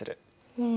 うん。